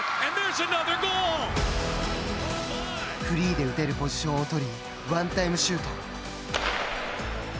フリーで打てるポジションを取りワンタイムシュート。